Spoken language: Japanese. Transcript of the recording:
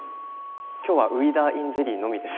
今日はウイダーｉｎゼリーのみです。